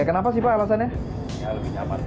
kenapa sih pak alasannya